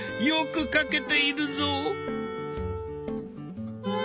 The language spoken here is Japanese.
よく描けているぞ！